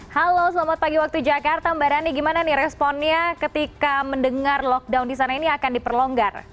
halo selamat pagi waktu jakarta mbak rani gimana nih responnya ketika mendengar lockdown di sana ini akan diperlonggar